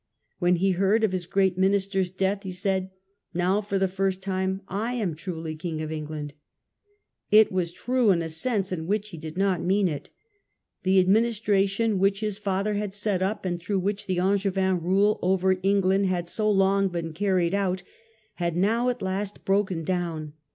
When he heard of his great minister's death, he said, " Now for the first time I am truly king of England". It was true in a sense in which he did not mean it. The administration which his father had set up, and through which the Angevins' rule over England had so long been carried on, had now at last broken down.